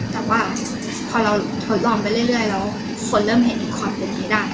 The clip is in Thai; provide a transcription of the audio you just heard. แต่ว่าพอเรายอมไปเรื่อยแล้วคนเริ่มเห็นความตรงนี้ได้